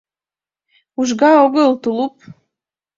— Ужга огыл, тулуп.